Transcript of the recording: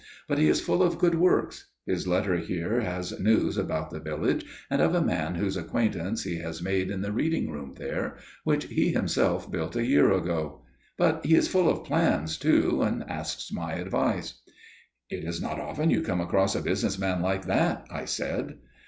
But he is full of good works; his letter here has news about the village, and of a man whose acquaintance he has made in the reading room there, which he himself built a year ago; but he is full of plans too, and asks my advice." "It is not often you come across a business man like that," I said.